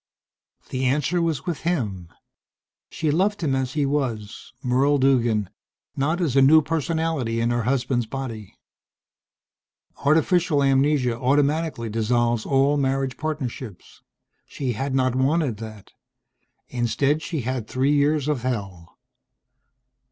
The answer was with him. She loved him as he was, Merle Duggan not as a new personality in her husband's body. Artificial amnesia automatically dissolves all marriage partnerships. She had not wanted that. Instead she had three years of hell....